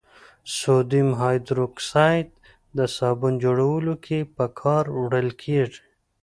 سودیم هایدروکساید د صابون جوړولو کې په کار وړل کیږي.